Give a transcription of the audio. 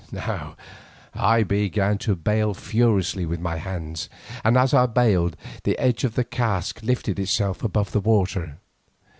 Now I began to bail furiously with my hands, and as I bailed, the edge of the cask lifted itself above the water.